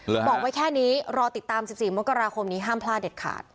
บอกไว้แค่นี้รอติดตาม๑๔มกราคมนี้ห้ามพลาดเด็ดขาด